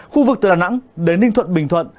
khu vực từ đà nẵng đến ninh thuận bình thuận